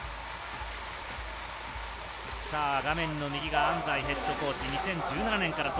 画面の右が安齋ヘッドコーチ、２０１７年から。